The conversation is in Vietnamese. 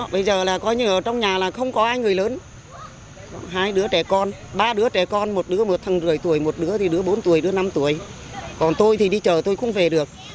bây giờ là coi như ở trong nhà là không có ai người lớn hai đứa trẻ con ba đứa trẻ con một đứa một thằng rưỡi tuổi một đứa thì đứa bốn tuổi đứa năm tuổi còn tôi thì đi chợ tôi không về được